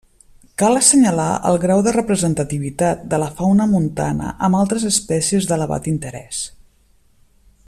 Cal assenyalar el grau de representativitat de la fauna montana amb algunes espècies d’elevat interès.